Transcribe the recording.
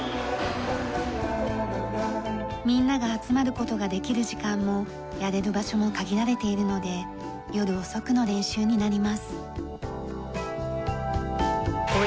みんなが集まる事ができる時間もやれる場所も限られているので夜遅くの練習になります。